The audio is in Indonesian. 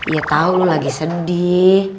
iya tau lu lagi sedih